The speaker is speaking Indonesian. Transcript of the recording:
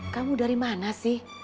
kamu dari mana sih